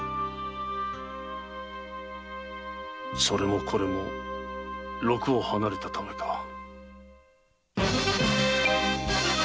それもこれも禄を離れたためか。